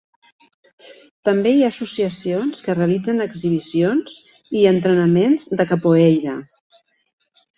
També hi ha associacions que realitzen exhibicions i entrenaments de capoeira.